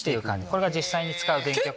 これが実際に使う電極。